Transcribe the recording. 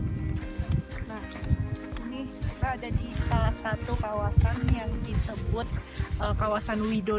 nah ini kita ada di salah satu kawasan yang disebut kawasan wido